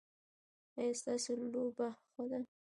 ایا ستاسو لوبه ښه ده؟